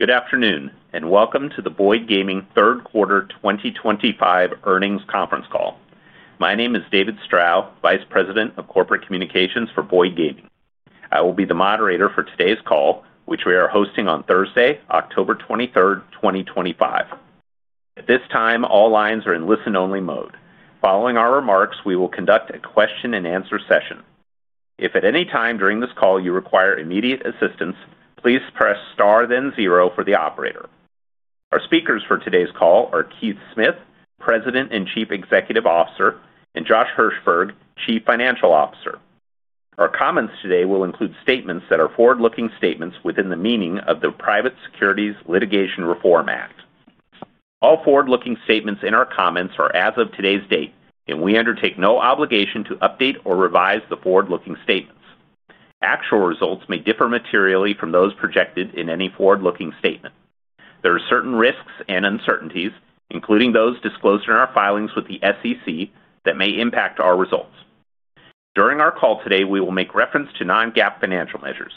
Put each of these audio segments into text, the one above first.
Good afternoon and welcome to the Boyd Gaming third quarter 2025 earnings conference call. My name is David Strow, Vice President of Corporate Communications for Boyd Gaming. I will be the moderator for today's call, which we are hosting on Thursday, October 23, 2025. At this time, all lines are in listen-only mode. Following our remarks, we will conduct a question-and-answer session. If at any time during this call you require immediate assistance, please press star, then zero for the operator. Our speakers for today's call are Keith Smith, President and Chief Executive Officer, and Josh Hirsberg, Chief Financial Officer. Our comments today will include statements that are forward-looking statements within the meaning of the Private Securities Litigation Reform Act. All forward-looking statements in our comments are as of today's date, and we undertake no obligation to update or revise the forward-looking statements. Actual results may differ materially from those projected in any forward-looking statement. There are certain risks and uncertainties, including those disclosed in our filings with the SEC, that may impact our results. During our call today, we will make reference to non-GAAP financial measures.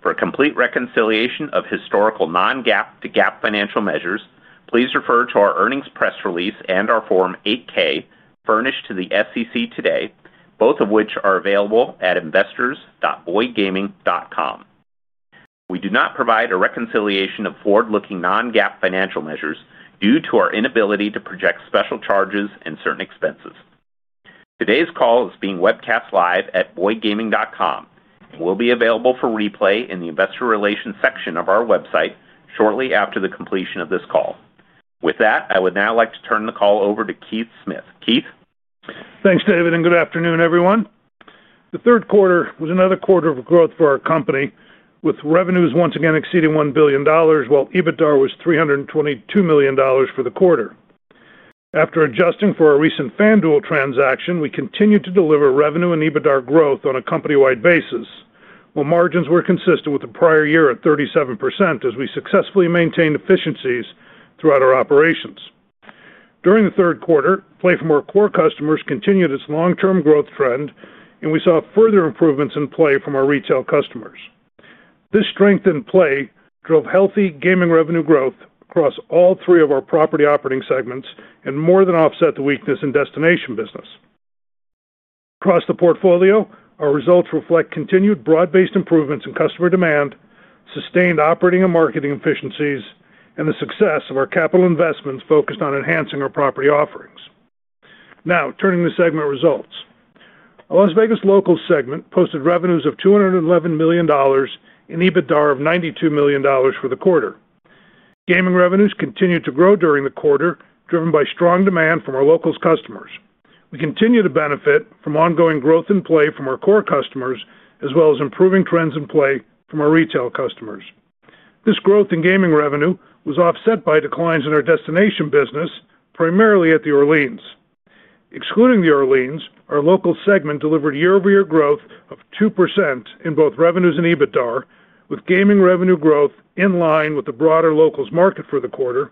For a complete reconciliation of historical non-GAAP to GAAP financial measures, please refer to our earnings press release and our Form 8K furnished to the SEC today, both of which are available at investors.boydgaming.com. We do not provide a reconciliation of forward-looking non-GAAP financial measures due to our inability to project special charges and certain expenses. Today's call is being webcast live at boydgaming.com and will be available for replay in the investor relations section of our website shortly after the completion of this call. With that, I would now like to turn the call over to Keith Smith. Keith? Thanks, David, and good afternoon, everyone. The third quarter was another quarter of growth for our company, with revenues once again exceeding $1 billion, while EBITDA was $322 million for the quarter. After adjusting for our recent FanDuel transaction, we continued to deliver revenue and EBITDA growth on a company-wide basis, while margins were consistent with the prior year at 37% as we successfully maintained efficiencies throughout our operations. During the third quarter, play from our core customers continued its long-term growth trend, and we saw further improvements in play from our retail customers. This strength in play drove healthy gaming revenue growth across all three of our property operating segments and more than offset the weakness in destination business. Across the portfolio, our results reflect continued broad-based improvements in customer demand, sustained operating and marketing efficiencies, and the success of our capital investments focused on enhancing our property offerings. Now, turning to segment results, our Las Vegas Locals segment posted revenues of $211 million and EBITDA of $92 million for the quarter. Gaming revenues continued to grow during the quarter, driven by strong demand from our Locals customers. We continue to benefit from ongoing growth in play from our core customers, as well as improving trends in play from our retail customers. This growth in gaming revenue was offset by declines in our destination business, primarily at the Orleans. Excluding the Orleans, our Locals segment delivered year-over-year growth of 2% in both revenues and EBITDA, with gaming revenue growth in line with the broader Locals market for the quarter,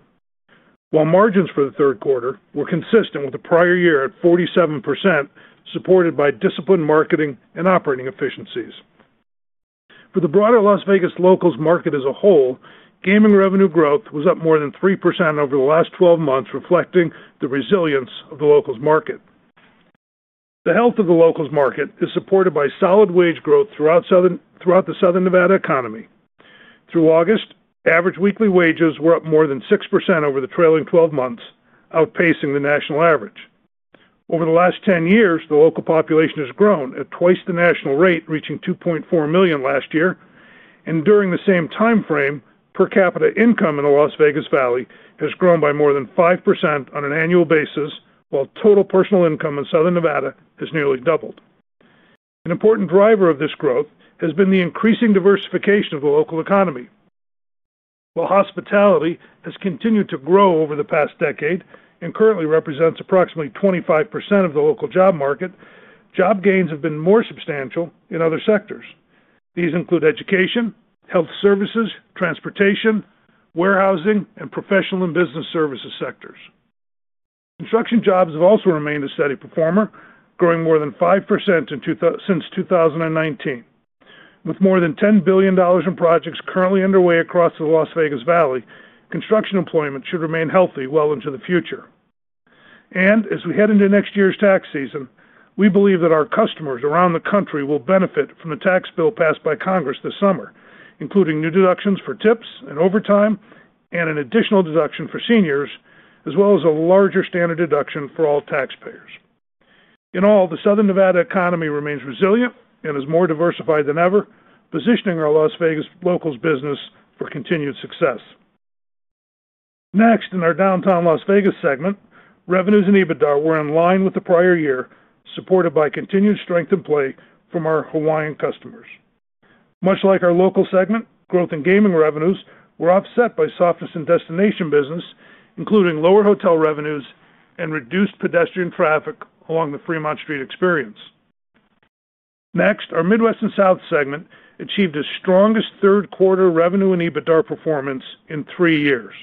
while margins for the third quarter were consistent with the prior year at 47%, supported by disciplined marketing and operating efficiencies. For the broader Las Vegas Locals market as a whole, gaming revenue growth was up more than 3% over the last 12 months, reflecting the resilience of the Locals market. The health of the Locals market is supported by solid wage growth throughout the Southern Nevada economy. Through August, average weekly wages were up more than 6% over the trailing 12 months, outpacing the national average. Over the last 10 years, the local population has grown at twice the national rate, reaching 2.4 million last year, and during the same timeframe, per capita income in the Las Vegas Valley has grown by more than 5% on an annual basis, while total personal income in Southern Nevada has nearly doubled. An important driver of this growth has been the increasing diversification of the local economy. While hospitality has continued to grow over the past decade and currently represents approximately 25% of the local job market, job gains have been more substantial in other sectors. These include education, health services, transportation, warehousing, and professional and business services sectors. Construction jobs have also remained a steady performer, growing more than 5% since 2019. With more than $10 billion in projects currently underway across the Las Vegas Valley, construction employment should remain healthy well into the future. As we head into next year's tax season, we believe that our customers around the country will benefit from the tax bill passed by Congress this summer, including new deductions for tips and overtime and an additional deduction for seniors, as well as a larger standard deduction for all taxpayers. In all, the Southern Nevada economy remains resilient and is more diversified than ever, positioning our Las Vegas Locals business for continued success. Next, in our Downtown Las Vegas segment, revenues and EBITDA were in line with the prior year, supported by continued strength in play from our Hawaiian customers. Much like our Locals segment, growth in gaming revenues was offset by softness in destination business, including lower hotel revenues and reduced pedestrian traffic along the Fremont Street Experience. Next, our Midwest and South segment achieved its strongest third quarter revenue and EBITDA performance in three years.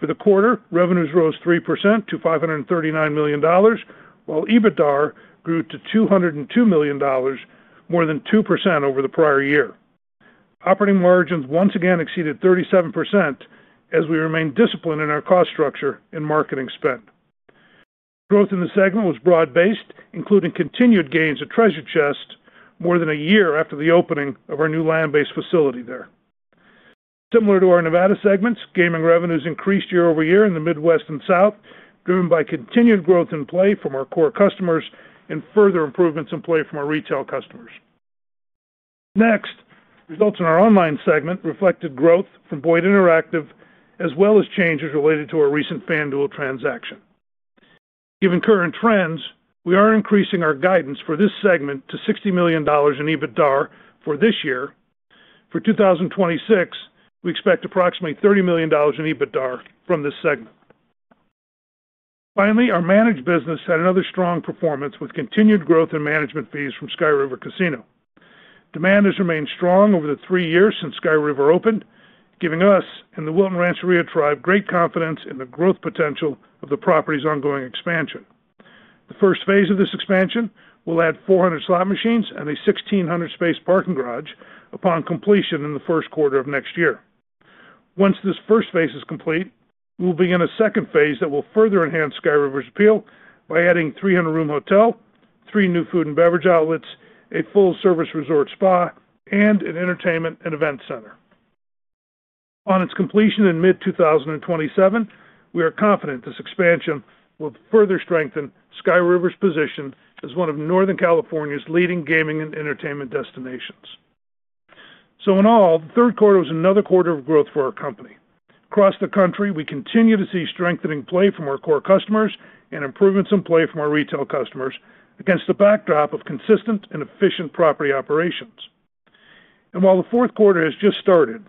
For the quarter, revenues rose 3% to $539 million, while EBITDA grew to $202 million, more than 2% over the prior year. Operating margins once again exceeded 37% as we remain disciplined in our cost structure and marketing spend. Growth in the segment was broad-based, including continued gains at Treasure Chest, more than a year after the opening of our new land-based facility there. Similar to our Nevada segments, gaming revenues increased year-over-year in the Midwest and South, driven by continued growth in play from our core customers and further improvements in play from our retail customers. Next, results in our online segment reflected growth from Boyd Interactive, as well as changes related to our recent FanDuel transaction. Given current trends, we are increasing our guidance for this segment to $60 million in EBITDA for this year. For 2026, we expect approximately $30 million in EBITDA from this segment. Finally, our managed business had another strong performance with continued growth in management fees from Sky River Casino. Demand has remained strong over the three years since Sky River opened, giving us and the Wilton Rancheria great confidence in the growth potential of the property's ongoing expansion. The first phase of this expansion will add 400 slot machines and a 1,600-space parking garage upon completion in the first quarter of next year. Once this first phase is complete, we will begin a second phase that will further enhance Sky River's appeal by adding a 300-room hotel, three new food and beverage outlets, a full-service resort spa, and an entertainment and event center. Upon its completion in mid-2027, we are confident this expansion will further strengthen Sky River's position as one of Northern California's leading gaming and entertainment destinations. In all, the third quarter was another quarter of growth for our company. Across the country, we continue to see strengthening play from our core customers and improvements in play from our retail customers against the backdrop of consistent and efficient property operations. While the fourth quarter has just started,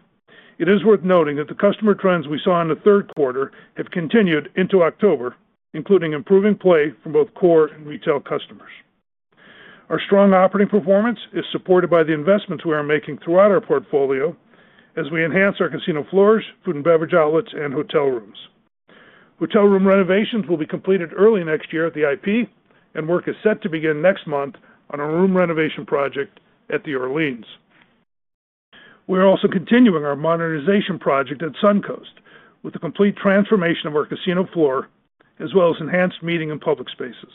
it is worth noting that the customer trends we saw in the third quarter have continued into October, including improving play from both core and retail customers. Our strong operating performance is supported by the investments we are making throughout our portfolio as we enhance our casino floors, food and beverage outlets, and hotel rooms. Hotel room renovations will be completed early next year at the IP Hotel, and work is set to begin next month on a room renovation project at the Orleans Hotel. We are also continuing our modernization project at Suncoast Casino, with the complete transformation of our casino floor as well as enhanced meeting and public spaces.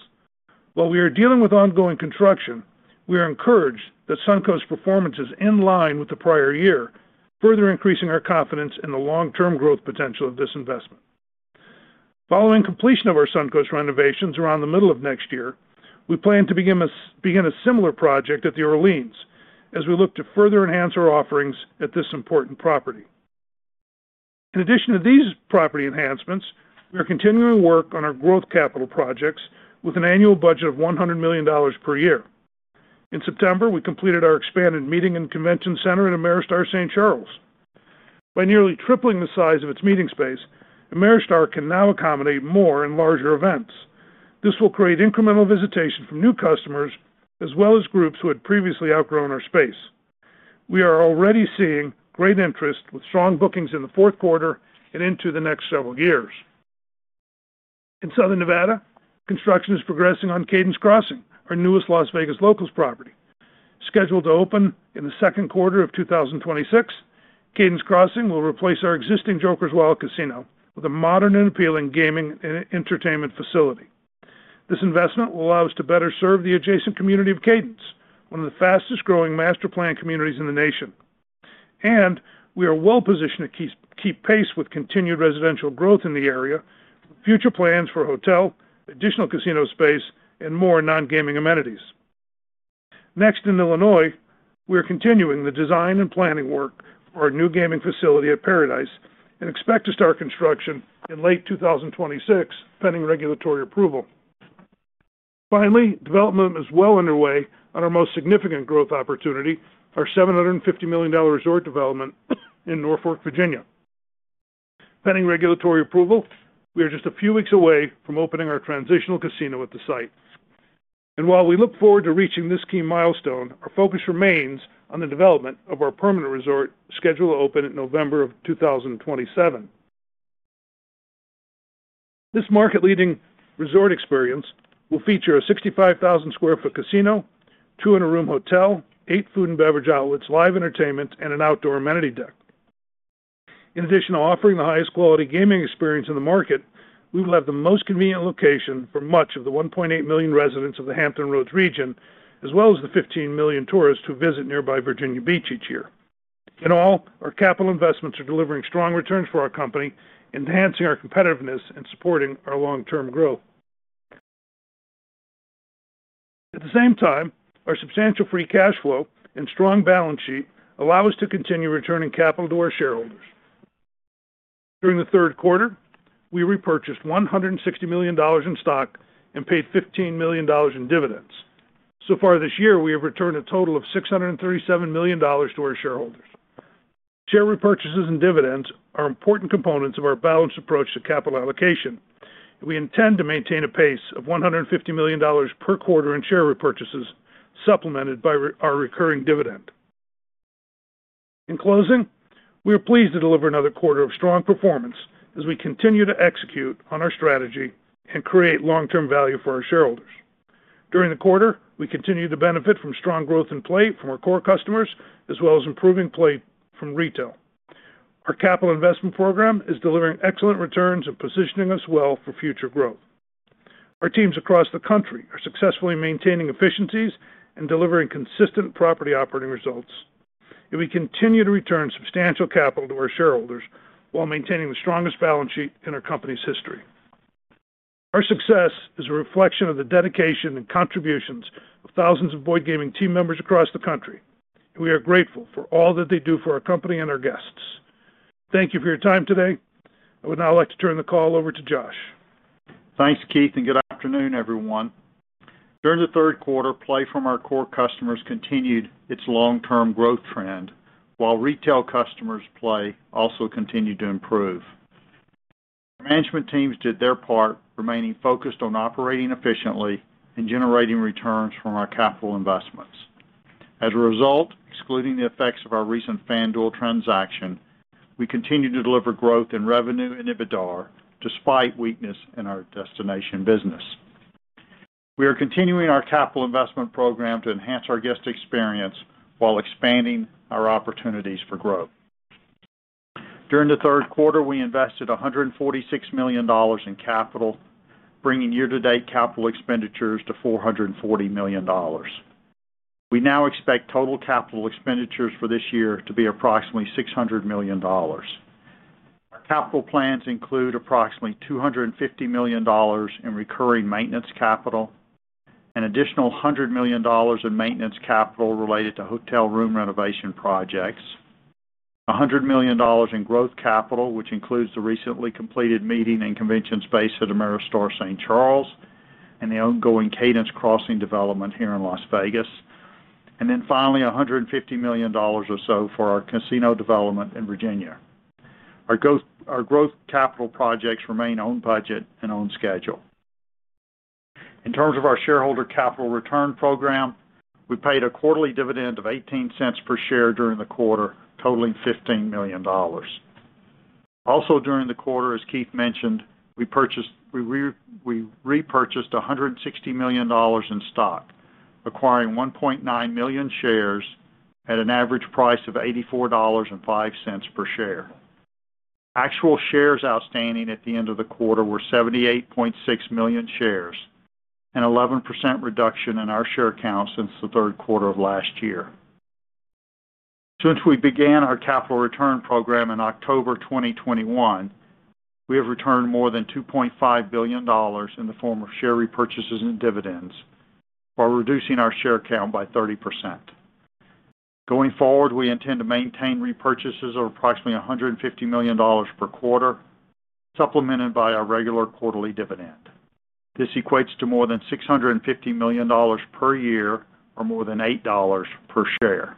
While we are dealing with ongoing construction, we are encouraged that Suncoast Casino's performance is in line with the prior year, further increasing our confidence in the long-term growth potential of this investment. Following completion of our Suncoast renovations around the middle of next year, we plan to begin a similar project at the Orleans as we look to further enhance our offerings at this important property. In addition to these property enhancements, we are continuing work on our growth capital projects with an annual budget of $100 million per year. In September, we completed our expanded meeting and convention center at Ameristar St. Charles. By nearly tripling the size of its meeting space, Ameristar can now accommodate more and larger events. This will create incremental visitation from new customers as well as groups who had previously outgrown our space. We are already seeing great interest with strong bookings in the fourth quarter and into the next several years. In Southern Nevada, construction is progressing on Cadence Crossing, our newest Las Vegas Locals property. Scheduled to open in the second quarter of 2026, Cadence Crossing will replace our existing Joker's Wild Casino with a modern and appealing gaming and entertainment facility. This investment will allow us to better serve the adjacent community of Cadence, one of the fastest growing master-planned communities in the nation. We are well positioned to keep pace with continued residential growth in the area, with future plans for a hotel, additional casino space, and more non-gaming amenities. Next, in Illinois, we are continuing the design and planning work for our new gaming facility at Paradise and expect to start construction in late 2026, pending regulatory approval. Finally, development is well underway on our most significant growth opportunity, our $750 million resort development in Norfolk, Virginia. Pending regulatory approval, we are just a few weeks away from opening our transitional casino at the site. While we look forward to reaching this key milestone, our focus remains on the development of our permanent resort scheduled to open in November of 2027. This market-leading resort experience will feature a 65,000-square-foot casino, a 200-room hotel, eight food and beverage outlets, live entertainment, and an outdoor amenity deck. In addition to offering the highest quality gaming experience in the market, we will have the most convenient location for much of the 1.8 million residents of the Hampton Roads region, as well as the 15 million tourists who visit nearby Virginia Beach each year. In all, our capital investments are delivering strong returns for our company, enhancing our competitiveness and supporting our long-term growth. At the same time, our substantial free cash flow and strong balance sheet allow us to continue returning capital to our shareholders. During the third quarter, we repurchased $160 million in stock and paid $15 million in dividends. So far this year, we have returned a total of $637 million to our shareholders. Share repurchases and dividends are important components of our balanced approach to capital allocation, and we intend to maintain a pace of $150 million per quarter in share repurchases, supplemented by our recurring dividend. In closing, we are pleased to deliver another quarter of strong performance as we continue to execute on our strategy and create long-term value for our shareholders. During the quarter, we continue to benefit from strong growth in play from our core customers as well as improving play from retail. Our capital investment program is delivering excellent returns and positioning us well for future growth. Our teams across the country are successfully maintaining efficiencies and delivering consistent property operating results. We continue to return substantial capital to our shareholders while maintaining the strongest balance sheet in our company's history. Our success is a reflection of the dedication and contributions of thousands of Boyd Gaming team members across the country, and we are grateful for all that they do for our company and our guests. Thank you for your time today. I would now like to turn the call over to Josh. Thanks, Keith, and good afternoon, everyone. During the third quarter, play from our core customers continued its long-term growth trend, while retail customers' play also continued to improve. Our management teams did their part, remaining focused on operating efficiently and generating returns from our capital investments. As a result, excluding the effects of our recent FanDuel transaction, we continue to deliver growth in revenue and EBITDA despite weakness in our destination business. We are continuing our capital investment program to enhance our guest experience while expanding our opportunities for growth. During the third quarter, we invested $146 million in capital, bringing year-to-date capital expenditures to $440 million. We now expect total capital expenditures for this year to be approximately $600 million. Our capital plans include approximately $250 million in recurring maintenance capital, an additional $100 million in maintenance capital related to hotel room renovation projects, $100 million in growth capital, which includes the recently completed meeting and convention space at Ameristar St. Charles and the ongoing Cadence Crossing Casino development here in Las Vegas, and then finally $150 million or so for our casino development in Virginia. Our growth capital projects remain on budget and on schedule. In terms of our shareholder capital return program, we paid a quarterly dividend of $0.18 per share during the quarter, totaling $15 million. Also, during the quarter, as Keith mentioned, we repurchased $160 million in stock, acquiring 1.9 million shares at an average price of $84.05 per share. Actual shares outstanding at the end of the quarter were 78.6 million shares, an 11% reduction in our share count since the third quarter of last year. Since we began our capital return program in October 2021, we have returned more than $2.5 billion in the form of share repurchases and dividends, while reducing our share count by 30%. Going forward, we intend to maintain repurchases of approximately $150 million per quarter, supplemented by our regular quarterly dividend. This equates to more than $650 million per year, or more than $8 per share.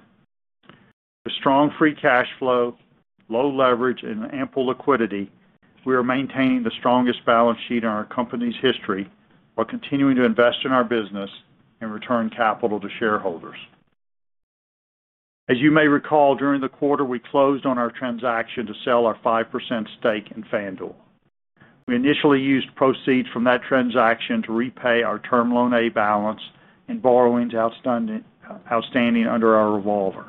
With strong free cash flow, low leverage, and ample liquidity, we are maintaining the strongest balance sheet in our company's history while continuing to invest in our business and return capital to shareholders. As you may recall, during the quarter, we closed on our transaction to sell our 5% stake in FanDuel. We initially used proceeds from that transaction to repay our term loan A balance and borrowings outstanding under our revolver.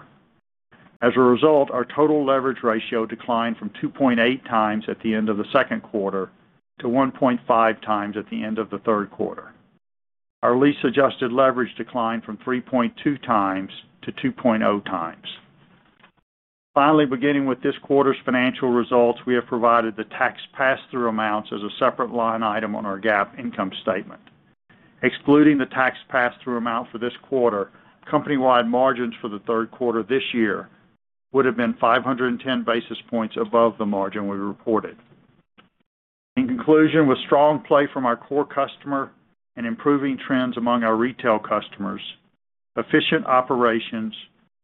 As a result, our total leverage ratio declined from 2.8x at the end of the second quarter to 1.5x at the end of the third quarter. Our lease-adjusted leverage declined from 3.2x to 2.0x. Finally, beginning with this quarter's financial results, we have provided the tax pass-through amounts as a separate line item on our GAAP income statement. Excluding the tax pass-through amount for this quarter, company-wide margins for the third quarter this year would have been 510 basis points above the margin we reported. In conclusion, with strong play from our core customer and improving trends among our retail customers, efficient operations,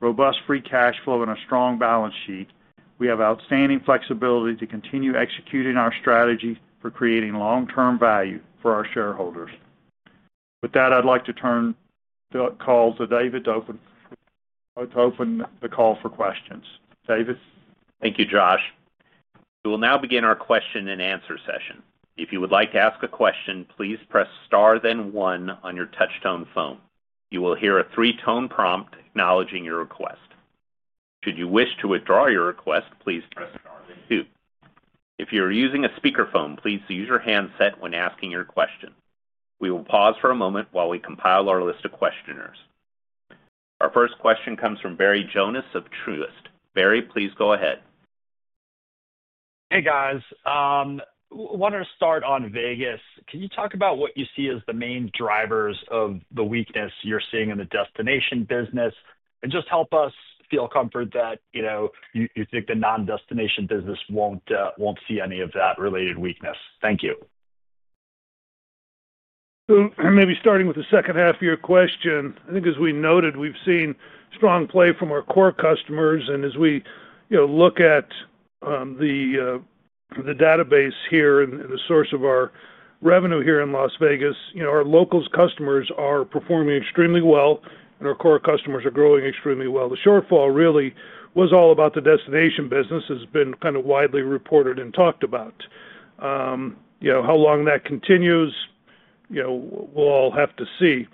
robust free cash flow, and a strong balance sheet, we have outstanding flexibility to continue executing our strategy for creating long-term value for our shareholders. With that, I'd like to turn the call to David to open the call for questions. David? Thank you, Josh. We will now begin our question-and-answer session. If you would like to ask a question, please press star, then one on your touch-tone phone. You will hear a three-tone prompt acknowledging your request. Should you wish to withdraw your request, please press star, then two. If you are using a speakerphone, please use your handset when asking your question. We will pause for a moment while we compile our list of questioners. Our first question comes from Barry Jonas of Truist Securities. Barry, please go ahead. Hey, guys. I want to start on Vegas. Can you talk about what you see as the main drivers of the weakness you're seeing in the destination business? Just help us feel comfort that you think the non-destination business won't see any of that related weakness. Thank you. Maybe starting with the second half of your question, I think as we noted, we've seen strong play from our core customers. As we look at the database here and the source of our revenue here in Las Vegas, our Locals customers are performing extremely well, and our core customers are growing extremely well. The shortfall really was all about the destination business. It's been kind of widely reported and talked about. How long that continues, we'll all have to see.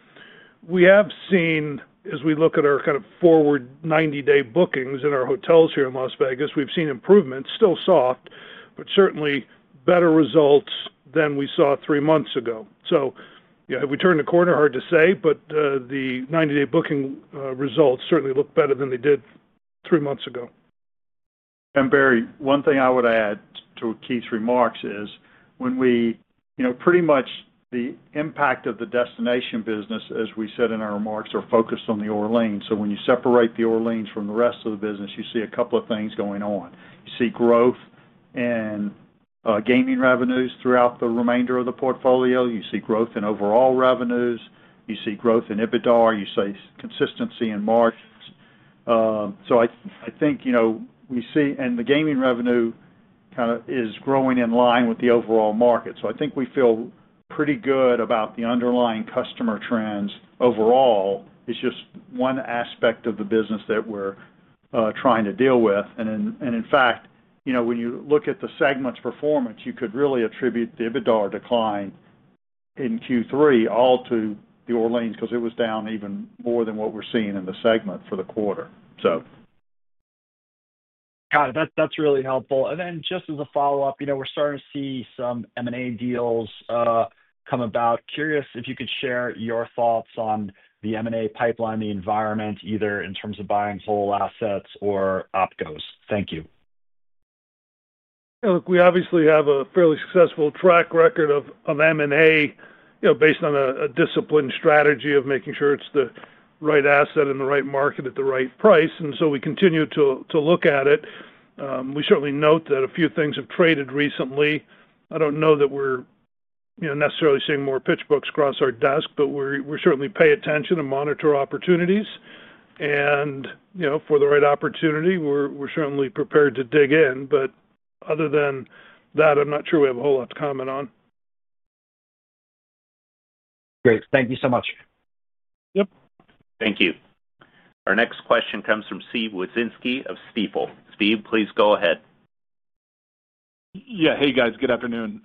We have seen, as we look at our forward 90-day bookings in our hotels here in Las Vegas, improvements, still soft, but certainly better results than we saw three months ago. Have we turned a corner? Hard to say, but the 90-day booking results certainly look better than they did three months ago. Barry, one thing I would add to Keith's remarks is when we, you know, pretty much the impact of the destination business, as we said in our remarks, are focused on the Orleans. When you separate the Orleans from the rest of the business, you see a couple of things going on. You see growth in gaming revenues throughout the remainder of the portfolio. You see growth in overall revenues. You see growth in EBITDA. You see consistency in margins. I think, you know, we see, and the gaming revenue kind of is growing in line with the overall market. I think we feel pretty good about the underlying customer trends overall. It's just one aspect of the business that we're trying to deal with. In fact, you know, when you look at the segment's performance, you could really attribute the EBITDA decline in Q3 all to the Orleans because it was down even more than what we're seeing in the segment for the quarter. Got it. That's really helpful. Just as a follow-up, you know we're starting to see some M&A deals come about. Curious if you could share your thoughts on the M&A pipeline, the environment, either in terms of buying whole assets or opcos. Thank you. Look, we obviously have a fairly successful track record of M&A based on a disciplined strategy of making sure it's the right asset in the right market at the right price. We continue to look at it. We certainly note that a few things have traded recently. I don't know that we're necessarily seeing more pitch books across our desk, but we certainly pay attention and monitor opportunities. For the right opportunity, we're certainly prepared to dig in. Other than that, I'm not sure we have a whole lot to comment on. Great. Thank you so much. Yep. Thank you. Our next question comes from Steven Wieczynski of Stifel. Steven, please go ahead. Yeah. Hey, guys. Good afternoon.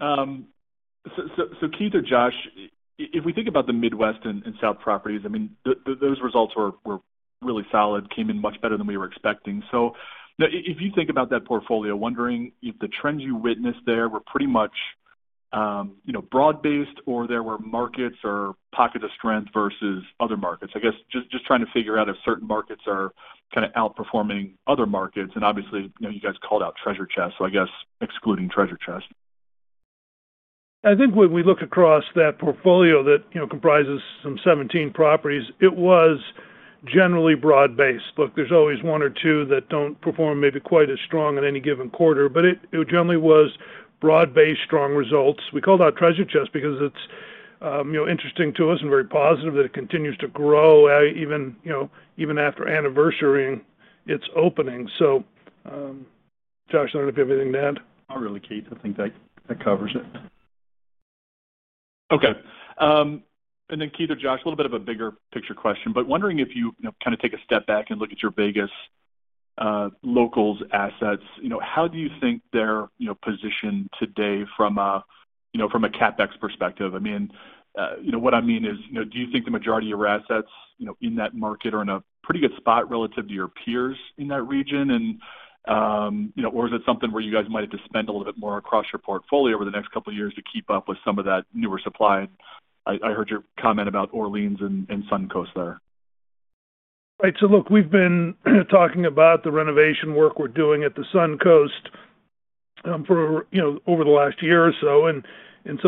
Keith or Josh, if we think about the Midwest and South properties, I mean, those results were really solid, came in much better than we were expecting. If you think about that portfolio, wondering if the trends you witnessed there were pretty much broad-based or there were markets or pockets of strength versus other markets. I guess just trying to figure out if certain markets are kind of outperforming other markets. Obviously, you guys called out Treasure Chest, so I guess excluding Treasure Chest. I think when we look across that portfolio that comprises some 17 properties, it was generally broad-based. Look, there's always one or two that don't perform maybe quite as strong in any given quarter, but it generally was broad-based, strong results. We called out Treasure Chest Casino because it's interesting to us and very positive that it continues to grow, even after anniversarying its opening. Josh, I don't know if you have anything to add. Not really, Keith. I think that covers it. Okay. Keith or Josh, a little bit of a bigger picture question, but wondering if you kind of take a step back and look at your Vegas Locals assets, how do you think they're positioned today from a CapEx perspective? What I mean is, do you think the majority of your assets in that market are in a pretty good spot relative to your peers in that region? Is it something where you guys might have to spend a little bit more across your portfolio over the next couple of years to keep up with some of that newer supply? I heard your comment about Orleans and Suncoast there. Right. We've been talking about the renovation work we're doing at the Suncoast Casino for over the last year or so.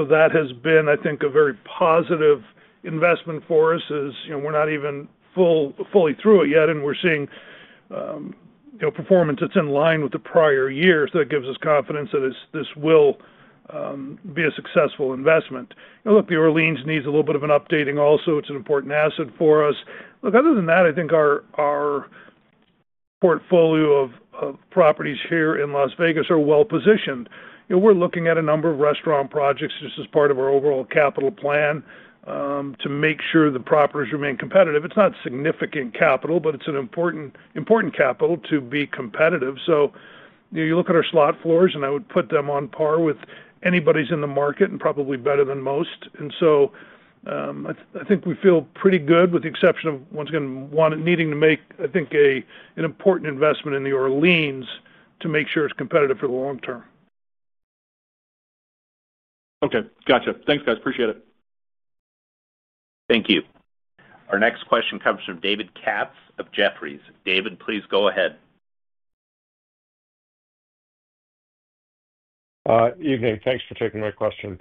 That has been, I think, a very positive investment for us as we're not even fully through it yet, and we're seeing performance that's in line with the prior year. That gives us confidence that this will be a successful investment. The Orleans Hotel needs a little bit of an updating also. It's an important asset for us. Other than that, I think our portfolio of properties here in Las Vegas are well positioned. We're looking at a number of restaurant projects just as part of our overall capital plan to make sure the properties remain competitive. It's not significant capital, but it's important capital to be competitive. You look at our slot floors, and I would put them on par with anybody's in the market and probably better than most. I think we feel pretty good with the exception of, once again, needing to make, I think, an important investment in the Orleans Hotel to make sure it's competitive for the long term. Okay. Got it. Thanks, guys. Appreciate it. Thank you. Our next question comes from David Katz of Jefferies. David, please go ahead. Okay. Thanks for taking my question.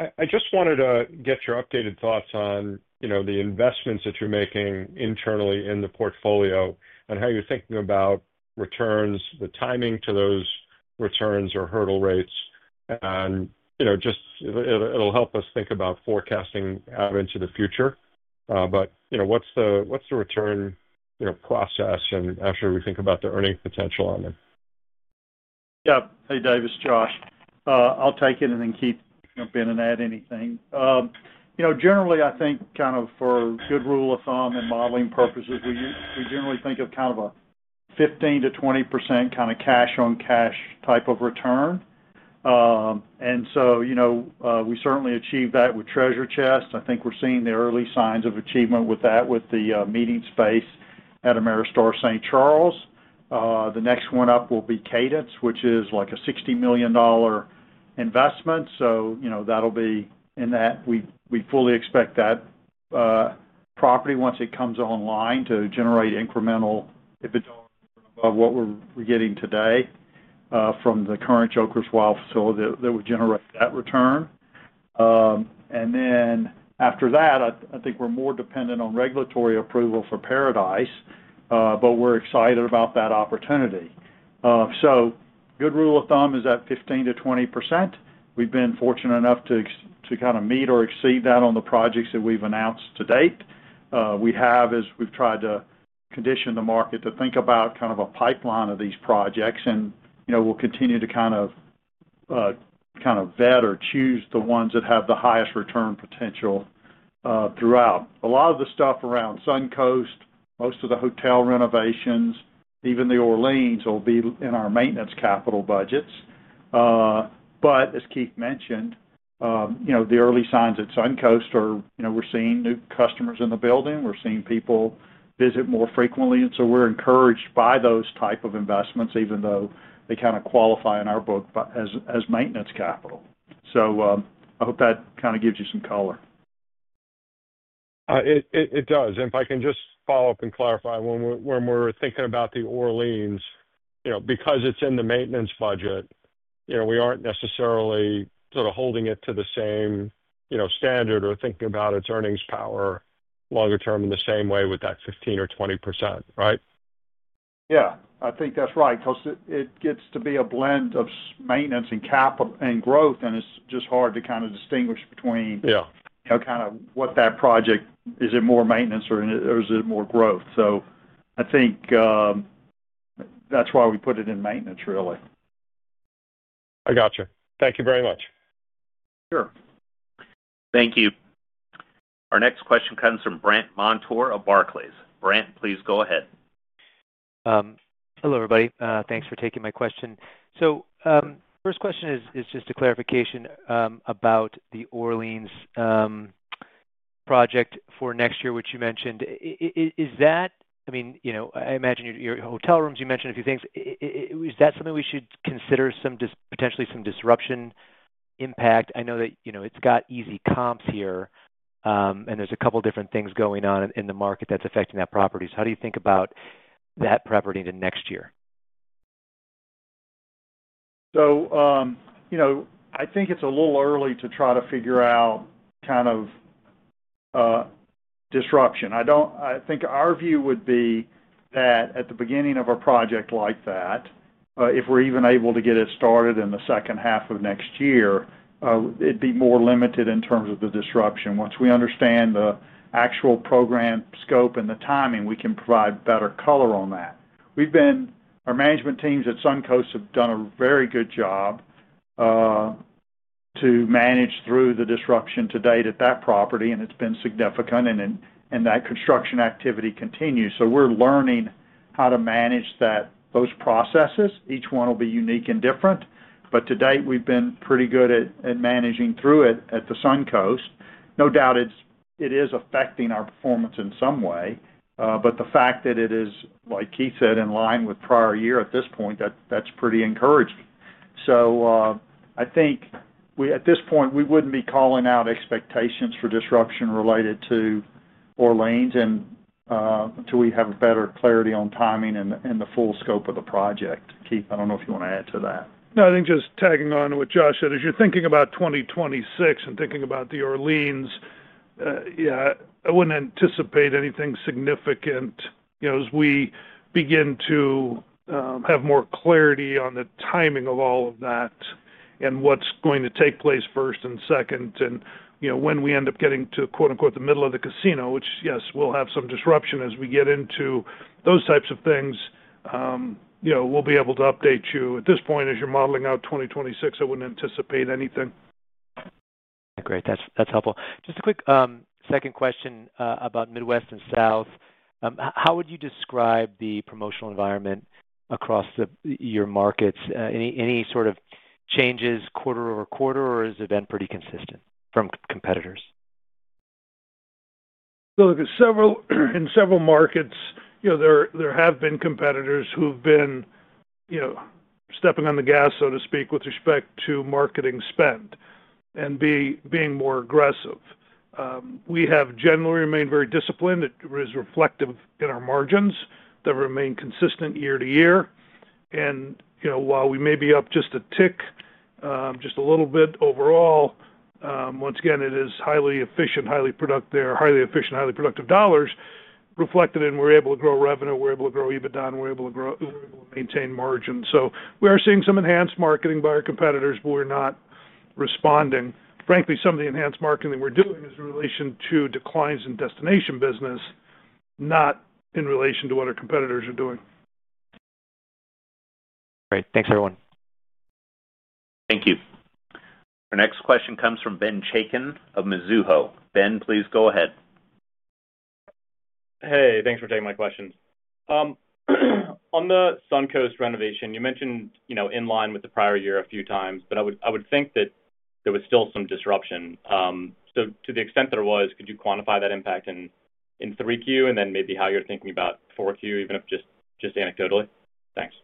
I just wanted to get your updated thoughts on the investments that you're making internally in the portfolio and how you're thinking about returns, the timing to those returns or hurdle rates. It'll help us think about forecasting out into the future. What's the return process and after we think about the earning potential on them? Yeah. Hey David, it's Josh. I'll take it and then Keith, jump in and add anything. Generally, I think kind of for good rule of thumb and modeling purposes, we generally think of kind of a 15% to 20% kind of cash-on-cash type of return. You know, we certainly achieve that with Treasure Chest. I think we're seeing the early signs of achievement with that, with the meeting space at Ameristar St. Charles. The next one up will be Cadence, which is like a $60 million investment. That'll be in that. We fully expect that property, once it comes online, to generate incremental EBITDA above what we're getting today from the current Joker's Wild facility that would generate that return. After that, I think we're more dependent on regulatory approval for Paradise, but we're excited about that opportunity. Good rule of thumb is that 15% to 20%. We've been fortunate enough to kind of meet or exceed that on the projects that we've announced to date. We have, as we've tried to condition the market to think about kind of a pipeline of these projects. We'll continue to kind of vet or choose the ones that have the highest return potential throughout. A lot of the stuff around Suncoast, most of the hotel renovations, even the Orleans, will be in our maintenance capital budgets. As Keith mentioned, the early signs at Suncoast are, you know, we're seeing new customers in the building. We're seeing people visit more frequently. We're encouraged by those types of investments, even though they kind of qualify in our book as maintenance capital. I hope that kind of gives you some color. It does. If I can just follow up and clarify, when we're thinking about the Orleans, because it's in the maintenance budget, we aren't necessarily sort of holding it to the same standard or thinking about its earnings power longer term in the same way with that 15% or 20%, right? Yeah, I think that's right because it gets to be a blend of maintenance and capital and growth. It's just hard to kind of distinguish between, yeah, you know, kind of what that project is, is it more maintenance or is it more growth? I think that's why we put it in maintenance, really. I got you. Thank you very much. Sure. Thank you. Our next question comes from Brandt Montour of Barclays. Brandt, please go ahead. Hello, everybody. Thanks for taking my question. The first question is just a clarification about the Orleans Hotel project for next year, which you mentioned. Is that, I mean, you know, I imagine your hotel rooms, you mentioned a few things. Is that something we should consider, potentially some disruption impact? I know that, you know, it's got easy comps here, and there's a couple of different things going on in the market that's affecting that property. How do you think about that property into next year? I think it's a little early to try to figure out kind of disruption. I don't, I think our view would be that at the beginning of a project like that, if we're even able to get it started in the second half of next year, it'd be more limited in terms of the disruption. Once we understand the actual program scope and the timing, we can provide better color on that. Our management teams at Suncoast have done a very good job to manage through the disruption to date at that property, and it's been significant. That construction activity continues. We're learning how to manage those processes. Each one will be unique and different. To date, we've been pretty good at managing through it at the Suncoast. No doubt it is affecting our performance in some way. The fact that it is, like Keith said, in line with prior year at this point, that's pretty encouraging. At this point, we wouldn't be calling out expectations for disruption related to Orleans until we have better clarity on timing and the full scope of the project. Keith, I don't know if you want to add to that. No, I think just tagging on to what Josh said, as you're thinking about 2026 and thinking about the Orleans, yeah, I wouldn't anticipate anything significant. As we begin to have more clarity on the timing of all of that and what's going to take place first and second, and when we end up getting to, quote-unquote, "the middle of the casino," which, yes, we'll have some disruption as we get into those types of things, we'll be able to update you. At this point, as you're modeling out 2026, I wouldn't anticipate anything. Great. That's helpful. Just a quick second question about Midwest and South. How would you describe the promotional environment across your markets? Any sort of changes quarter over quarter, or has it been pretty consistent from competitors? In several markets, you know, there have been competitors who've been, you know, stepping on the gas, so to speak, with respect to marketing spend and being more aggressive. We have generally remained very disciplined. It is reflective in our margins that remain consistent year to year. You know, while we may be up just a tick, just a little bit overall, once again, it is highly efficient, highly productive, highly efficient, highly productive dollars reflected, and we're able to grow revenue. We're able to grow EBITDA. We're able to maintain margins. We are seeing some enhanced marketing by our competitors, but we're not responding. Frankly, some of the enhanced marketing that we're doing is in relation to declines in destination business, not in relation to what our competitors are doing. Great. Thanks, everyone. Thank you. Our next question comes from Benjamin Chaiken of Mizuho. Ben, please go ahead. Hey, thanks for taking my question. On the Suncoast renovation, you mentioned, you know, in line with the prior year a few times, but I would think that there was still some disruption. To the extent that there was, could you quantify that impact in 3Q and then maybe how you're thinking about 4Q, even if just anecdotally? Thanks.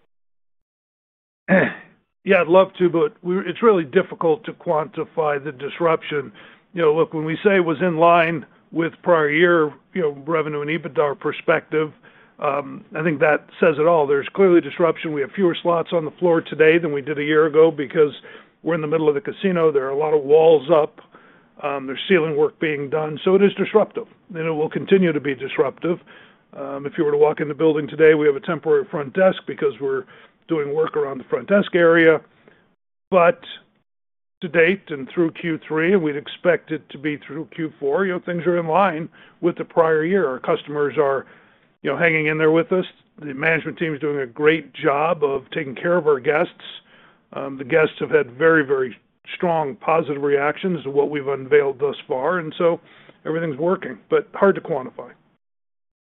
Yeah, I'd love to, but it's really difficult to quantify the disruption. Look, when we say it was in line with prior year, revenue and EBITDA perspective, I think that says it all. There's clearly disruption. We have fewer slots on the floor today than we did a year ago because we're in the middle of the casino. There are a lot of walls up. There's ceiling work being done. It is disruptive, and it will continue to be disruptive. If you were to walk in the building today, we have a temporary front desk because we're doing work around the front desk area. To date and through Q3, and we'd expect it to be through Q4, things are in line with the prior year. Our customers are hanging in there with us. The management team is doing a great job of taking care of our guests. The guests have had very, very strong positive reactions to what we've unveiled thus far. Everything's working, but hard to quantify.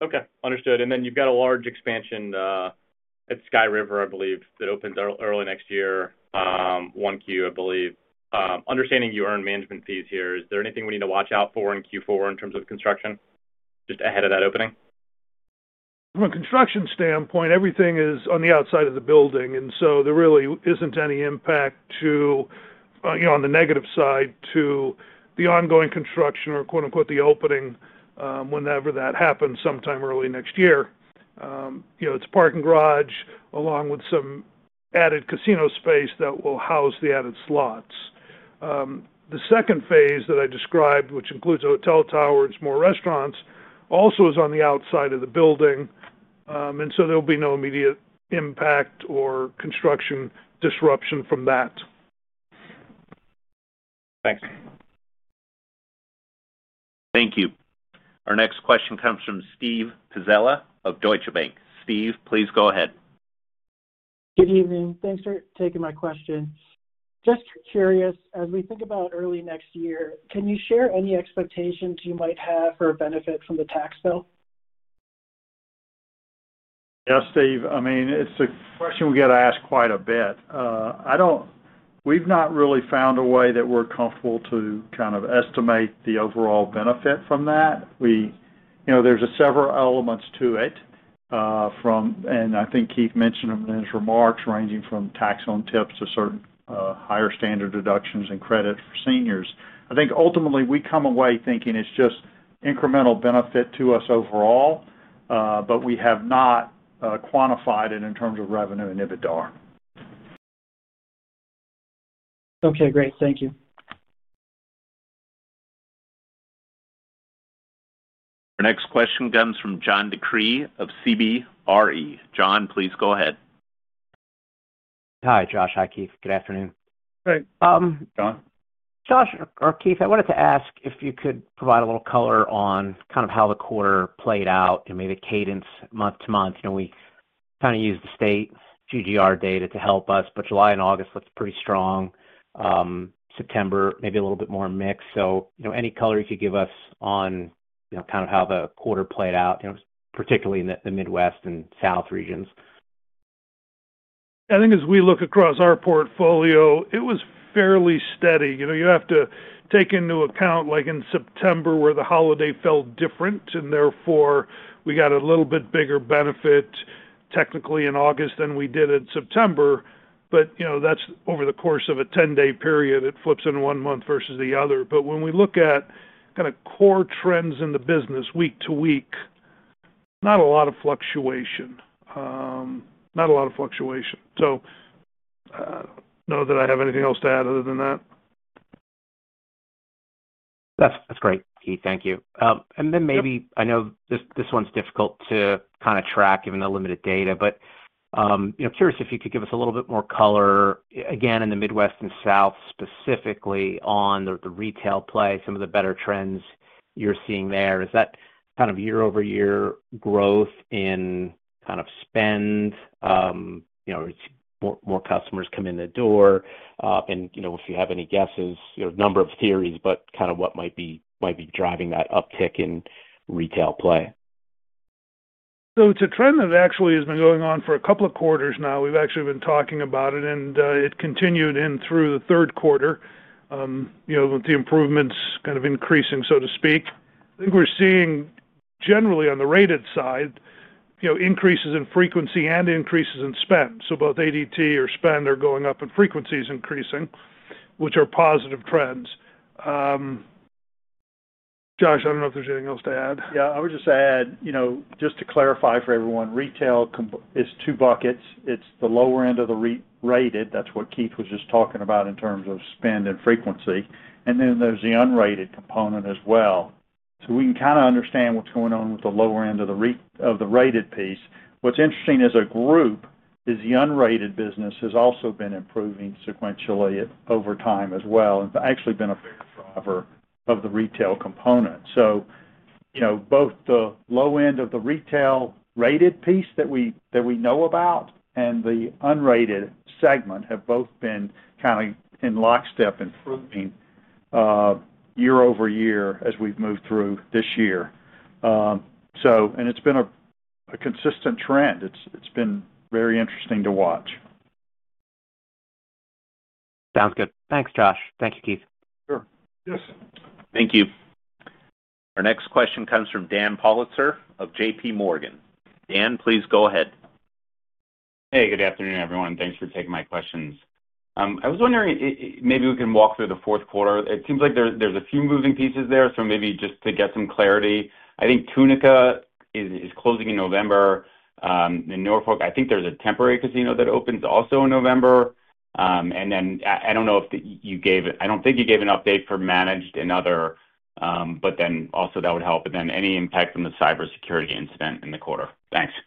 Okay. Understood. You have a large expansion at Sky River, I believe, that opens early next year, 1Q, I believe. Understanding you earn management fees here, is there anything we need to watch out for in Q4 in terms of construction just ahead of that opening? From a construction standpoint, everything is on the outside of the building. There really isn't any impact, on the negative side, to the ongoing construction or, quote-unquote, "the opening" whenever that happens sometime early next year. It's park and garage along with some added casino space that will house the added slots. The second phase that I described, which includes a hotel tower and some more restaurants, also is on the outside of the building. There will be no immediate impact or construction disruption from that. Thanks. Thank you. Our next question comes from Steven Pizzella of Deutsche Bank. Steven, please go ahead. Good evening. Thanks for taking my question. Just curious, as we think about early next year, can you share any expectations you might have for a benefit from the tax bill? Yeah, Steve. I mean, it's a question we get asked quite a bit. We've not really found a way that we're comfortable to kind of estimate the overall benefit from that. There's several elements to it, and I think Keith mentioned them in his remarks, ranging from tax-on-tips to certain higher standard deductions and credit for seniors. I think ultimately, we come away thinking it's just incremental benefit to us overall, but we have not quantified it in terms of revenue and EBITDA. Okay. Great. Thank you. Our next question comes from John DeCree of CBRE. John, please go ahead. Hi, Josh. Hi, Keith. Good afternoon. Great. John? Josh or Keith, I wanted to ask if you could provide a little color on kind of how the quarter played out and maybe Cadence month to month. We kind of use the state GGR data to help us, but July and August looked pretty strong. September maybe a little bit more mixed. Any color you could give us on how the quarter played out, particularly in the Midwest and South regions. I think as we look across our portfolio, it was fairly steady. You have to take into account, like in September, where the holiday fell different, and therefore we got a little bit bigger benefit technically in August than we did in September. That's over the course of a 10-day period. It flips in one month versus the other. When we look at kind of core trends in the business week to week, not a lot of fluctuation. I don't know that I have anything else to add other than that. That's great, Keith. Thank you. Maybe I know this one's difficult to kind of track given the limited data, but I'm curious if you could give us a little bit more color, again, in the Midwest and South specifically on the retail play, some of the better trends you're seeing there. Is that kind of year-over-year growth in kind of spend? You know, it's more customers come in the door. You know, if you have any guesses, a number of theories, but kind of what might be driving that uptick in retail play. It is a trend that actually has been going on for a couple of quarters now. We have actually been talking about it, and it continued through the third quarter, with the improvements kind of increasing, so to speak. I think we are seeing generally on the rated side increases in frequency and increases in spend. Both ADT or spend are going up and frequency is increasing, which are positive trends. Josh, I do not know if there is anything else to add. Yeah. I would just add, you know, just to clarify for everyone, retail is two buckets. It's the lower end of the rated. That's what Keith was just talking about in terms of spend and frequency. Then there's the unrated component as well. We can kind of understand what's going on with the lower end of the rated piece. What's interesting as a group is the unrated business has also been improving sequentially over time as well and actually been a bigger driver of the retail component. Both the low end of the retail rated piece that we know about and the unrated segment have both been kind of in lockstep improving year-over-year as we've moved through this year. It's been a consistent trend. It's been very interesting to watch. Sounds good. Thanks, Josh. Thank you, Keith. Sure. Yes. Thank you. Our next question comes from Daniel Politzer of JPMorgan. Dan, please go ahead. Hey, good afternoon, everyone. Thanks for taking my questions. I was wondering maybe we can walk through the fourth quarter. It seems like there's a few moving pieces there. Maybe just to get some clarity, I think Tunica is closing in November. In Norfolk, I think there's a temporary casino that opens also in November. I don't know if you gave it, I don't think you gave an update for managed and other, but that would help. Any impact from the cybersecurity incident in the quarter. Thanks. I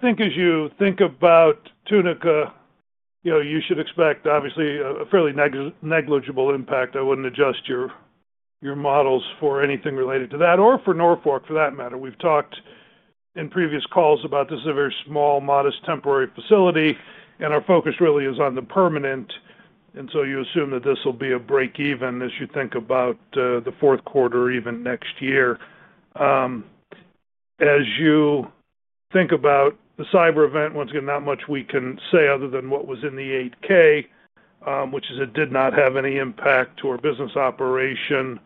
think as you think about Tunica, you should expect obviously a fairly negligible impact. I wouldn't adjust your models for anything related to that or for Norfolk, for that matter. We've talked in previous calls about this as a very small, modest, temporary facility, and our focus really is on the permanent. You assume that this will be a break-even as you think about the fourth quarter or even next year. As you think about the cyber event, once again, not much we can say other than what was in the 8K, which is it did not have any impact to our business operation.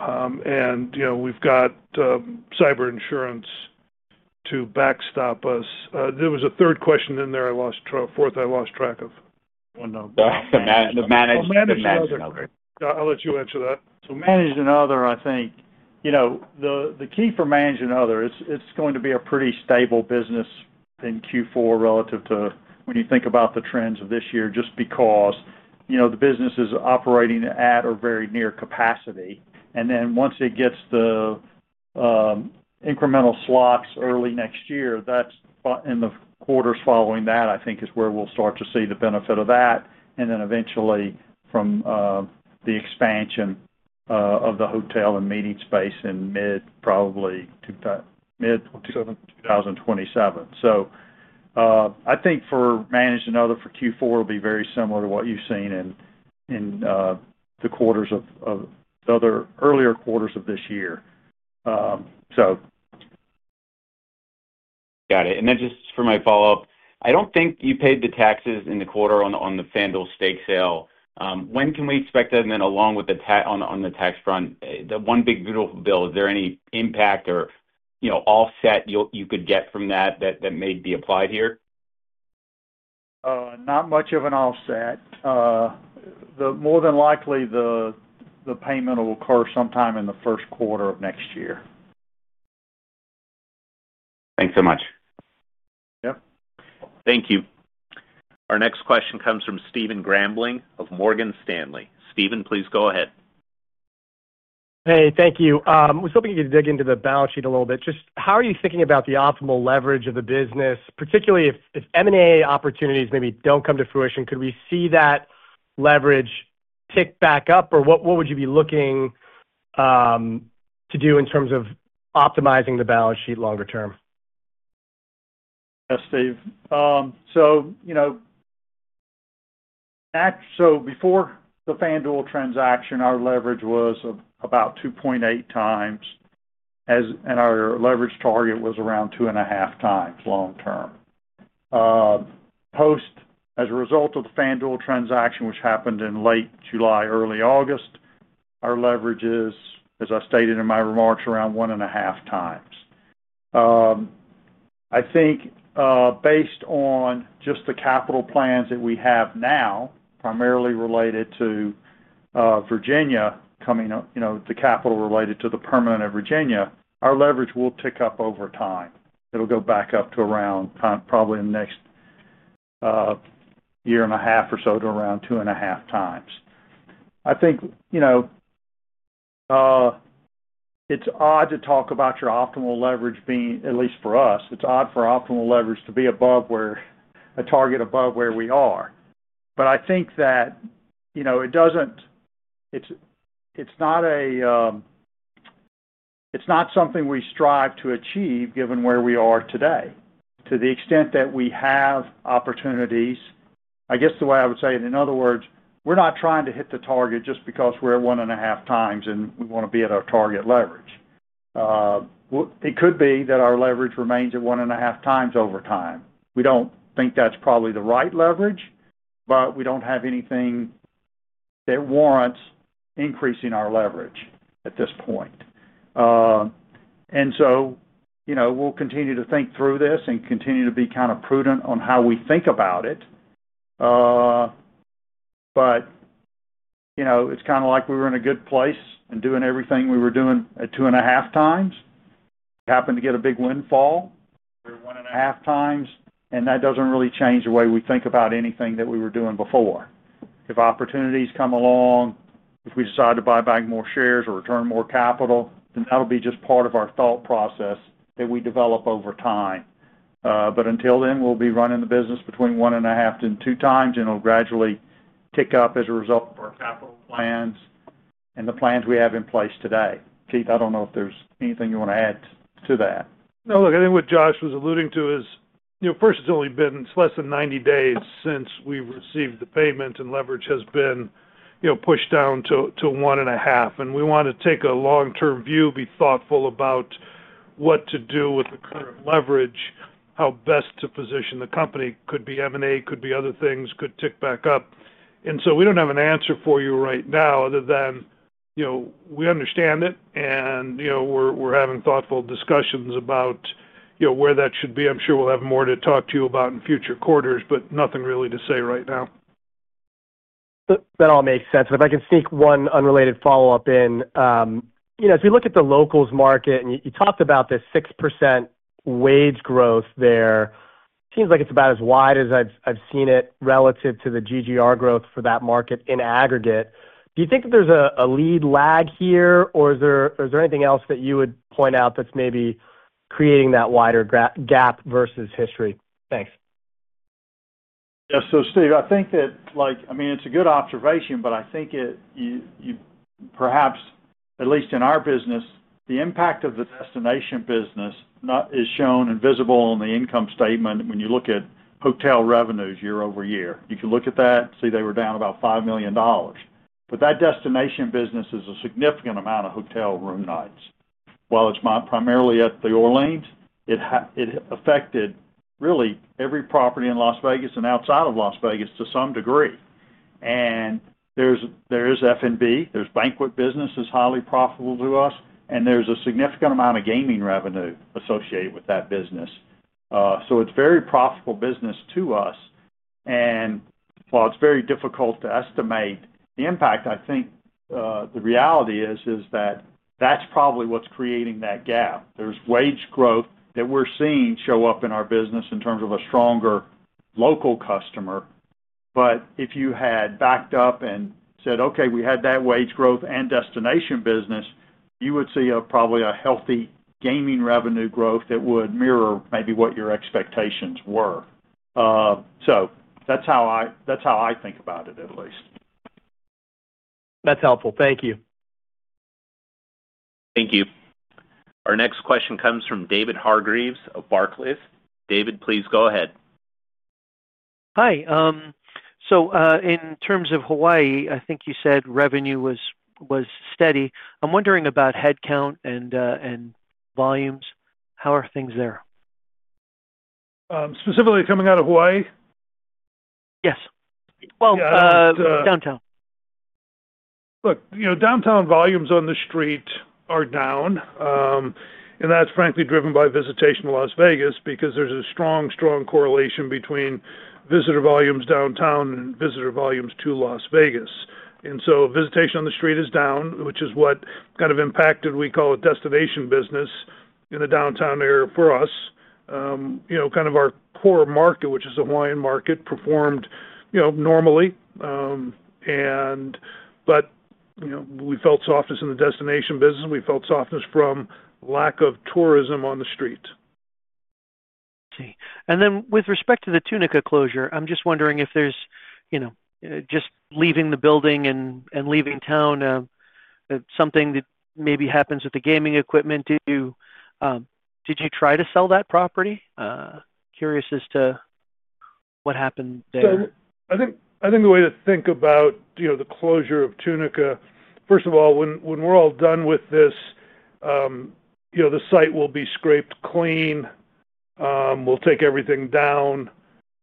We've got cyber insurance to backstop us. There was a third question in there. I lost track of the fourth I lost track of. They managed another. I'll let you answer that. Managed another, I think the key for managed another, it's going to be a pretty stable business in Q4 relative to when you think about the trends of this year, just because the business is operating at or very near capacity. Once it gets the incremental slots early next year, that's in the quarters following that, I think, is where we'll start to see the benefit of that. Eventually, from the expansion of the hotel and meeting space in probably mid-2027. I think for managed, another for Q4 will be very similar to what you've seen in the quarters of the other earlier quarters of this year. Got it. Just for my follow-up, I don't think you paid the taxes in the quarter on the FanDuel stake sale. When can we expect that? Along with the tax on the tax front, the one big beautiful bill, is there any impact or, you know, offset you could get from that that may be applied here? Not much of an offset. More than likely, the payment will occur sometime in the first quarter of next year. Thanks so much. Yep. Thank you. Our next question comes from Steven Grambling of Morgan Stanley. Steven, please go ahead. Hey, thank you. I was hoping you could dig into the balance sheet a little bit. Just how are you thinking about the optimal leverage of the business, particularly if M&A opportunities maybe don't come to fruition? Could we see that leverage pick back up, or what would you be looking to do in terms of optimizing the balance sheet longer term? Yes, Steve. Before the FanDuel transaction, our leverage was about 2.8 times, and our leverage target was around 2.5 times long term. As a result of the FanDuel transaction, which happened in late July, early August, our leverage is, as I stated in my remarks, around 1.5 times. I think, based on just the capital plans that we have now, primarily related to Virginia coming up, the capital related to the permanent of Virginia, our leverage will tick up over time. It'll go back up to around probably in the next year and a half or so to around 2.5 times. I think it's odd to talk about your optimal leverage being, at least for us, it's odd for optimal leverage to be above where a target above where we are. I think that it doesn't, it's not something we strive to achieve given where we are today. To the extent that we have opportunities, I guess the way I would say it, in other words, we're not trying to hit the target just because we're at 1.5 times and we want to be at our target leverage. It could be that our leverage remains at 1.5 times over time. We don't think that's probably the right leverage, but we don't have anything that warrants increasing our leverage at this point. We'll continue to think through this and continue to be kind of prudent on how we think about it. It's kind of like we were in a good place and doing everything we were doing at 2.5 times. We happened to get a big windfall. We're 1.5 times, and that doesn't really change the way we think about anything that we were doing before. If opportunities come along, if we decide to buy back more shares or return more capital, then that'll be just part of our thought process that we develop over time. Until then, we'll be running the business between 1.5 to 2 times, and it'll gradually tick up as a result of our capital plans and the plans we have in place today. Keith, I don't know if there's anything you want to add to that. No, look, I think what Josh was alluding to is, first, it's only been, it's less than 90 days since we've received the payment, and leverage has been pushed down to 1.5. We want to take a long-term view, be thoughtful about what to do with the current leverage, how best to position the company. Could be M&A, could be other things, could tick back up. We don't have an answer for you right now other than we understand it, and we're having thoughtful discussions about where that should be. I'm sure we'll have more to talk to you about in future quarters, but nothing really to say right now. That all makes sense. If I can sneak one unrelated follow-up in, as we look at the Las Vegas Locals market, and you talked about this 6% wage growth there, it seems like it's about as wide as I've seen it relative to the GGR growth for that market in aggregate. Do you think that there's a lead lag here, or is there anything else that you would point out that's maybe creating that wider gap versus history? Thanks. Yeah. Steve, I think that, I mean, it's a good observation, but I think, perhaps, at least in our business, the impact of the destination business is shown and visible on the income statement when you look at hotel revenues year-over-year. You can look at that and see they were down about $5 million. That destination business is a significant amount of hotel room nights. While it's primarily at the Orleans Hotel, it affected really every property in Las Vegas and outside of Las Vegas to some degree. There is F&B, there's banquet business that's highly profitable to us, and there's a significant amount of gaming revenue associated with that business. It's a very profitable business to us. While it's very difficult to estimate the impact, I think the reality is that that's probably what's creating that gap. There's wage growth that we're seeing show up in our business in terms of a stronger local customer. If you had backed up and said, "Okay, we had that wage growth and destination business," you would see probably a healthy gaming revenue growth that would mirror maybe what your expectations were. That's how I think about it, at least. That's helpful. Thank you. Thank you. Our next question comes from David Hargreaves of Barclays. David, please go ahead. Hi, in terms of Hawaii, I think you said revenue was steady. I'm wondering about headcount and volumes. How are things there? Specifically coming out of Hawaii? Yes. Downtown. Look, you know, downtown volumes on the street are down, and that's frankly driven by visitation to Las Vegas because there's a strong, strong correlation between visitor volumes downtown and visitor volumes to Las Vegas. Visitation on the street is down, which is what kind of impacted what we call a destination business in the downtown area for us. You know, kind of our core market, which is the Hawaiian market, performed, you know, normally, but you know, we felt softness in the destination business. We felt softness from lack of tourism on the street. Okay. With respect to the Tunica closure, I'm just wondering if there's, you know, just leaving the building and leaving town, something that maybe happens with the gaming equipment. Did you try to sell that property? Curious as to what happened there. I think the way to think about the closure of Tunica, first of all, when we're all done with this, the site will be scraped clean. We'll take everything down.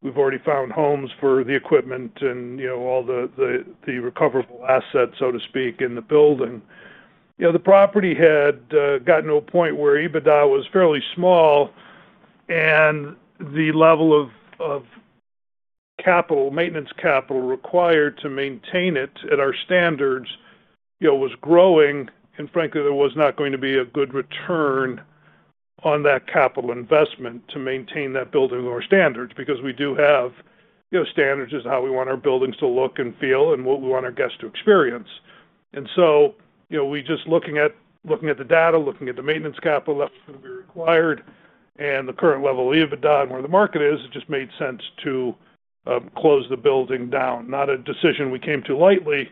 We've already found homes for the equipment and all the recoverable assets, so to speak, in the building. The property had gotten to a point where EBITDA was fairly small and the level of capital maintenance capital required to maintain it at our standards was growing. Frankly, there was not going to be a good return on that capital investment to maintain that building to our standards because we do have standards as to how we want our buildings to look and feel and what we want our guests to experience. We were just looking at the data, looking at the maintenance capital that was going to be required and the current level of EBITDA and where the market is. It just made sense to close the building down. Not a decision we came to lightly,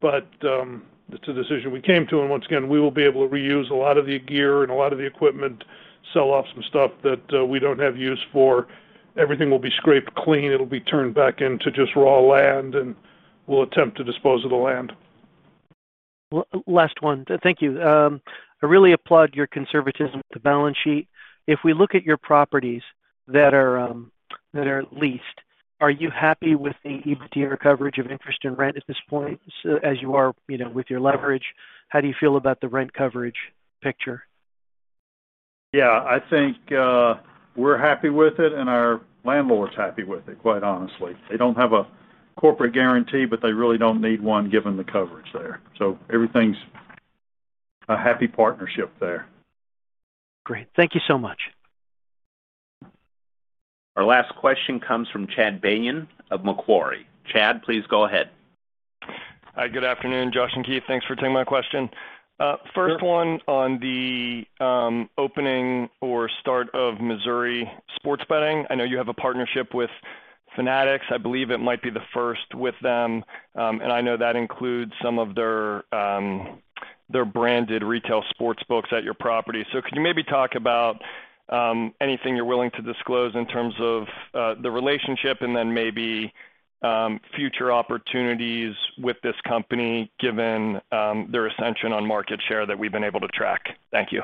but it's a decision we came to. Once again, we will be able to reuse a lot of the gear and a lot of the equipment, sell off some stuff that we don't have use for. Everything will be scraped clean. It'll be turned back into just raw land, and we'll attempt to dispose of the land. Last one. Thank you. I really applaud your conservatism with the balance sheet. If we look at your properties that are leased, are you happy with the EBITDA coverage of interest and rent at this point? As you are with your leverage, how do you feel about the rent coverage picture? Yeah. I think we're happy with it, and our landlord's happy with it, quite honestly. They don't have a corporate guarantee, but they really don't need one given the coverage there. Everything's a happy partnership there. Great. Thank you so much. Our last question comes from Chad Beynon of Macquarie. Chad, please go ahead. Hi. Good afternoon, Josh and Keith. Thanks for taking my question. First one on the opening or start of Missouri sports betting. I know you have a partnership with Fanatics. I believe it might be the first with them. I know that includes some of their branded retail sports books at your property. Could you maybe talk about anything you're willing to disclose in terms of the relationship and then maybe future opportunities with this company given their ascension on market share that we've been able to track? Thank you.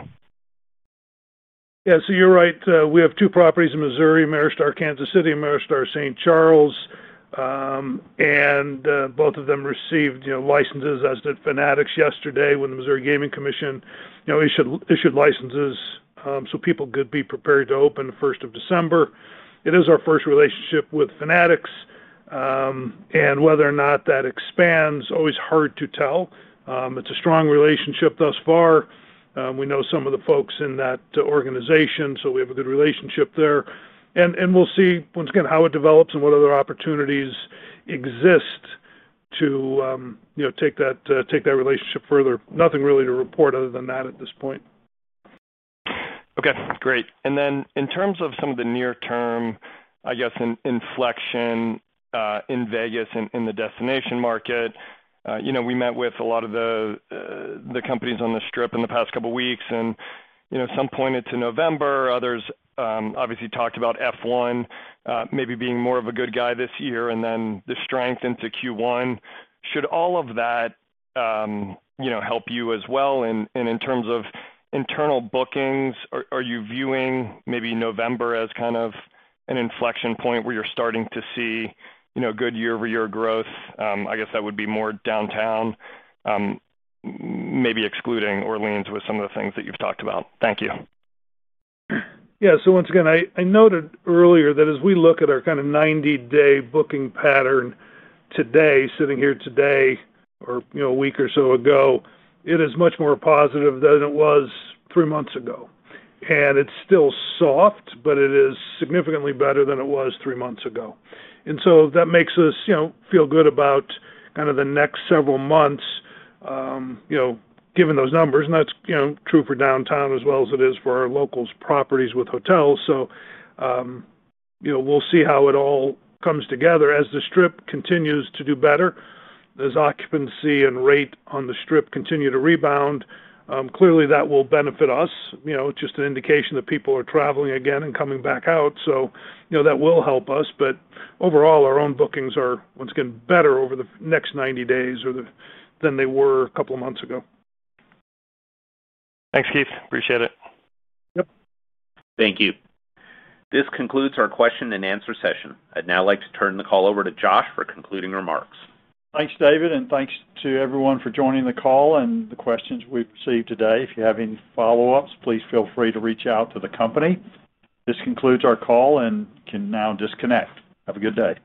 Yeah. You're right. We have two properties in Missouri, Ameristar Kansas City and Ameristar St. Charles, and both of them received licenses, as did Fanatics yesterday when the Missouri Gaming Commission issued licenses so people could be prepared to open the 1st of December. It is our first relationship with Fanatics, and whether or not that expands is always hard to tell. It's a strong relationship thus far. We know some of the folks in that organization, so we have a good relationship there. We'll see, once again, how it develops and what other opportunities exist to take that relationship further. Nothing really to report other than that at this point. Okay. Great. In terms of some of the near-term, I guess, inflection in Vegas and in the destination market, we met with a lot of the companies on the Strip in the past couple of weeks, and some pointed to November. Others obviously talked about F1 maybe being more of a good guy this year, and then the strength into Q1. Should all of that help you as well? In terms of internal bookings, are you viewing maybe November as kind of an inflection point where you're starting to see good year-over-year growth? I guess that would be more Downtown, maybe excluding Orleans with some of the things that you've talked about. Thank you. Yeah. Once again, I noted earlier that as we look at our kind of 90-day booking pattern today, sitting here today or, you know, a week or so ago, it is much more positive than it was three months ago. It's still soft, but it is significantly better than it was three months ago. That makes us, you know, feel good about kind of the next several months, you know, given those numbers. That's, you know, true for Downtown Las Vegas as well as it is for our Las Vegas Locals properties with hotels. We'll see how it all comes together. As the Strip continues to do better, as occupancy and rate on the Strip continue to rebound, clearly that will benefit us. It's just an indication that people are traveling again and coming back out. That will help us. Overall, our own bookings are, once again, better over the next 90 days than they were a couple of months ago. Thanks, Keith. Appreciate it. Yep. Thank you. This concludes our question and answer session. I'd now like to turn the call over to Josh for concluding remarks. Thanks, David, and thanks to everyone for joining the call and the questions we've received today. If you have any follow-ups, please feel free to reach out to the company. This concludes our call and you can now disconnect. Have a good day.